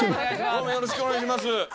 よろしくお願いします。